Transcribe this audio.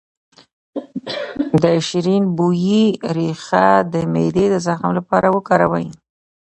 د شیرین بویې ریښه د معدې د زخم لپاره وکاروئ